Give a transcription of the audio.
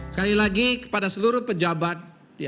sekali lagi kepada seluruh pejabat